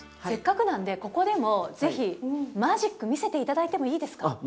せっかくなんでここでも是非マジック見せて頂いてもいいですか？